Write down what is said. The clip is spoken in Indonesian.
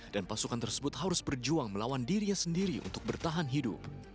dan pasukan tersebut harus berjuang melawan dirinya sendiri untuk bertahan hidup